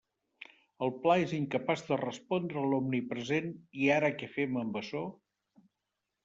El pla és incapaç de respondre a l'omnipresent «¿i ara què fem amb açò?».